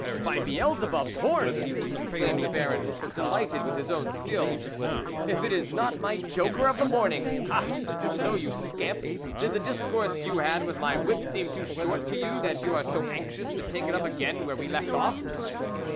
" By Beelzebub's horns !" exclaimed the Baron, delighted with his own skill, " if it is not my joker of the morning ! Ah ! so, you scamp ! did the discourse you had with my whip seem too short to you, that you are so anxious to take it up again where we left off